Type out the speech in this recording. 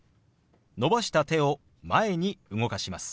伸ばした手を前に動かします。